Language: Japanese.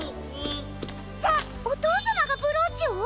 じゃあおとうさまがブローチを！？